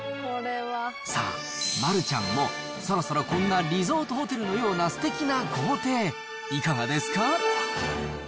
さあ、丸ちゃんもそろそろこんなリゾートホテルのようなすてきな豪邸、いかがですか？